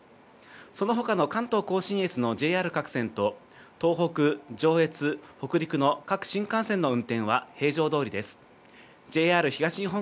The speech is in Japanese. そのほかの関東甲信越のＪＲ各線と東北、上越、北陸の各新幹線の運転は平常どおりです。